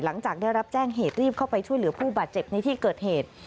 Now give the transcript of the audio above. หลังจากได้รับแจ้งเหตุรีบเข้าไปช่วยเหลือผู้บาดเจ็บในที่เกิดเหตุ